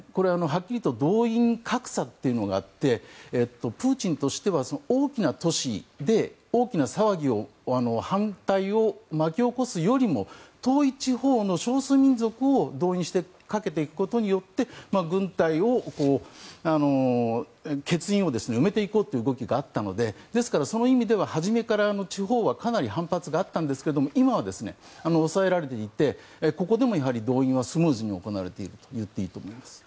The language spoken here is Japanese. はっきりと動員格差というのがあってプーチンとしては大きな都市で大きな騒ぎを反対を巻き起こすよりも遠い地方の少数民族に動員をかけていくことによって軍隊の欠員を埋めていこうという動きがあったのでですから、その意味では初めから地方はかなり反発があったんですが今は抑えられていてここでもやはり動員はスムーズに行われているといっていいと思います。